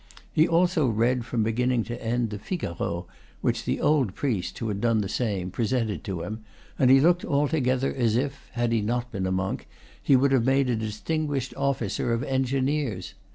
He also read, from beginning to end, the "Figaro" which the old priest, who had done the same, presented to him; and he looked altogether as if, had he not been a monk, he would have made a distinguished officer of engineers.